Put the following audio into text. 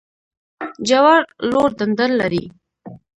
جوار لوړ ډنډر لري